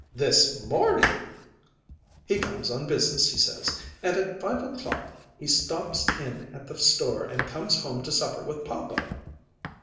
"This morning!" "He comes on business, he says. And at five o'clock he stops in at the store and comes home to supper with papa."